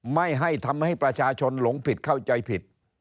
ไม่ให้ทำให้ประชาชนหลงผิดเข้าใจผิด